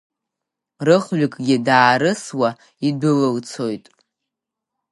Рыхҩыкгьы даарысуа идәылылцоит.